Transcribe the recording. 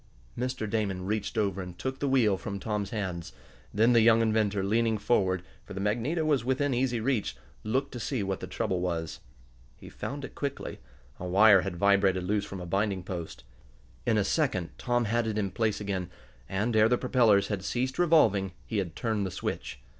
Mr. Damon reached over and took the wheel from Tom's hands. Then the young inventor, leaning forward, for the magneto was within easy reach, looked to see what the trouble was. He found it quickly. A wire had vibrated loose from a binding post. In a second Tom had it in place again; and, ere the propellers had ceased revolving, he had turned the switch.